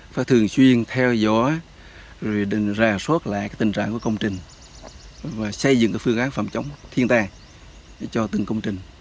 phải thường xuyên theo dõi rồi định ra soát lại tình trạng của công trình và xây dựng phương án phẩm chống thiên tài cho từng công trình